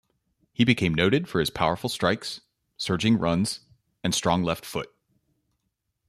He became noted for his powerful strikes, surging runs, and strong left foot.